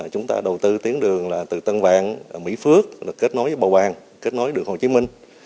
chúng ta đầu tư tiến đường từ tân vạn mỹ phước kết nối bàu bàng kết nối đường hồ chí minh